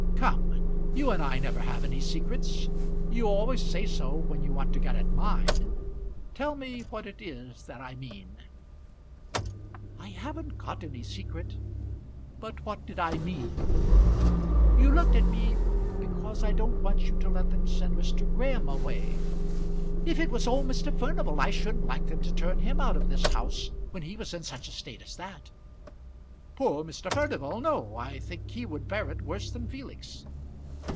Come; you and I never have any secrets; you always say so when you want to get at mine. Tell me what it is that I mean." "I haven't got any secret." "But what did I mean?" "You looked at me, because I don't want you to let them send Mr. Graham away. If it was old Mr. Furnival I shouldn't like them to turn him out of this house when he was in such a state as that." "Poor Mr. Furnival; no; I think he would bear it worse than Felix."